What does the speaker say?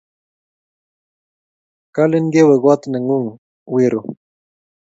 Kalin kewe kot ne ngung wi ru